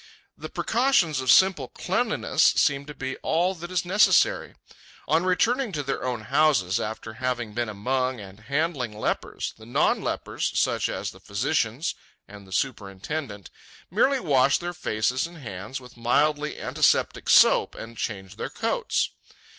The precautions of simple cleanliness seem to be all that is necessary. On returning to their own houses, after having been among and handling lepers, the non lepers, such as the physicians and the superintendent, merely wash their faces and hands with mildly antiseptic soap and change their coats.